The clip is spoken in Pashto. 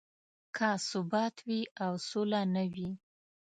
که ثبات وي او سوله نه وي.